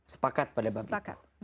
sepakat pada bapak ibu